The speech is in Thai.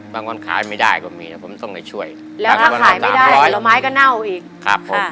บางวันขายไม่ได้ก็มีแต่ผมต้องให้ช่วยแล้วถ้าขายไม่ได้ผลไม้ก็เน่าอีก